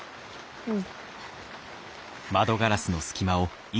うん。